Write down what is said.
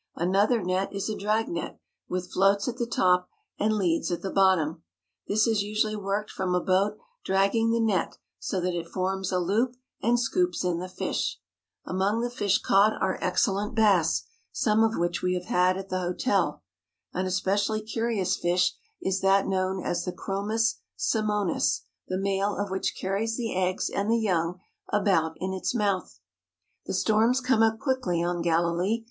Another net is a dragnet, with floats at the top and leads at the bottom. This is usually worked from a boat dragging the net so that it forms a loop and scoops in the fish. Among the fish caught are excellent bass, some of which we have had at the hotel. An especially curious fish is that known as the chromts simonis, the male of which carries the eggs and the young about in its mouth. The storms come up quickly on Galilee.